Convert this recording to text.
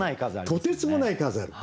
とてつもない数ある。